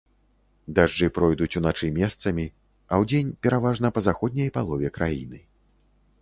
Дажджы пройдуць уначы месцамі, а удзень пераважна па заходняй палове краіны.